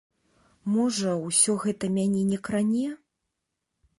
Можа, усё гэта мяне не кране?